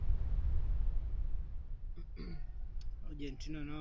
Wimbo huo ulifanya wanamuziki wengi waje na nyimbo za kuelimisha jamii